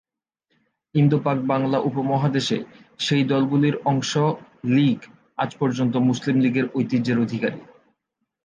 ইন্দো-পাক-বাংলা উপমহাদেশে সেই দলগুলোর অংশ "লীগ" আজ পর্যন্ত মুসলিম লীগের ঐতিহ্যের অধিকারী।